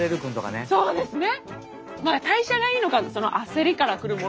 そうですね。